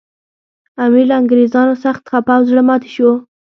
امیر له انګریزانو سخت خپه او زړه ماتي شو.